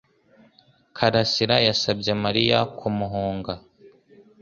Karasira yasabye Mariya kumuhunga